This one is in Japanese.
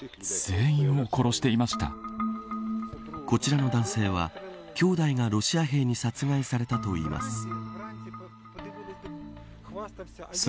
こちらの男性は兄弟がロシア兵に殺害されたといいます。